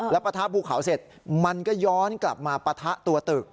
แล้วปะทะภูเขาเสร็จมันก็ย้อนกลับมาปะทะตัวตึก